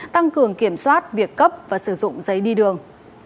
tăng cường kiểm soát việc cấp và sử dụng giấy đi đường